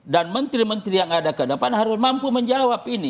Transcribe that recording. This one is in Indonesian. dan menteri menteri yang ada ke depan harus mampu menjawab ini